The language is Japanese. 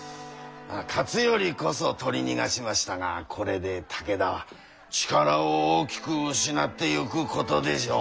勝頼こそ取り逃がしましたがこれで武田は力を大きく失ってゆくことでしょう。